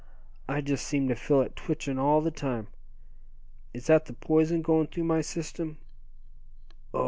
I just seem to feel it twitching all the time. Is that the poison going through my system? Oh!